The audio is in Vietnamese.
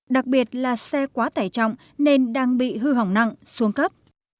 đặc biệt là xe quá tải trọng nên đang bị hư hỏng nặng xuống cấp